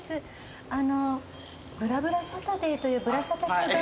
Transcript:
あの『ぶらぶらサタデー』という『ぶらサタ』って番組で。